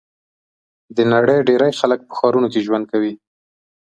د نړۍ ډېری خلک په ښارونو کې ژوند کوي.